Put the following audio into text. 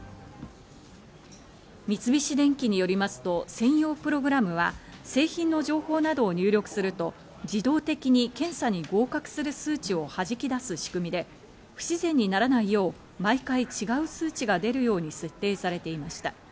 三菱電機によりますと、専用プログラムは製品の情報などを入力すると、自動的に検査に合格する数値をはじき出す仕組みで、不自然にならないよう、毎回違う数値が出るように設定されていました。